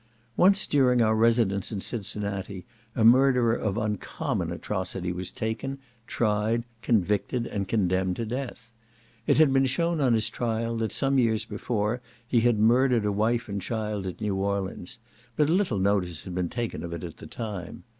Once during our residence at Cincinnati, a murderer of uncommon atrocity was taken, tried, convicted, and condemned to death. It had been shewn on his trial, that some years before he had murdered a wife and child at New Orleans, but little notice had been taken of it at the time.